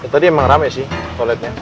tadi emang rame sih toiletnya